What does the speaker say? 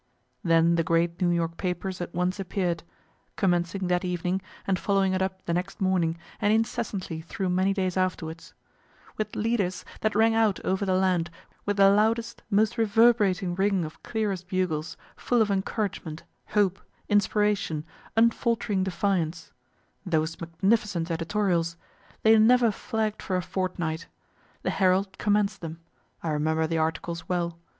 Then the great New York papers at once appear'd, (commencing that evening, and following it up the next morning, and incessantly through many days afterwards,) with leaders that rang out over the land with the loudest, most reverberating ring of clearest bugles, full of encouragement, hope, inspiration, unfaltering defiance; Those magnificent editorials! they never flagg'd for a fortnight. The "Herald" commenced them I remember the articles well.